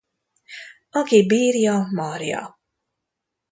Aki bírja, marja.